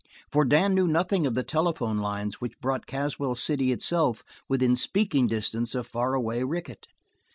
For Dan knew nothing of the telephone lines which brought Caswell City itself within speaking distance of far away Rickett.